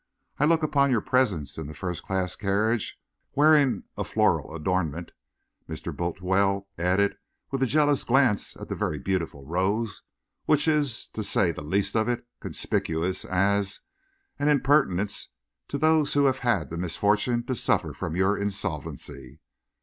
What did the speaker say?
I look upon your presence in a first class carriage, wearing a floral adornment," Mr. Bultiwell added, with a jealous glance at the very beautiful rose, "which is, to say the least of it, conspicuous, as er an impertinence to those who have had the misfortune to suffer from your insolvency."